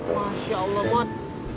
masya allah mot